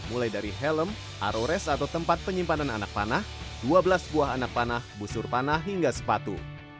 mulai dari helm arores atau tempat penyimpanan anak panah dua belas buah anak panah busur panah hingga sepatu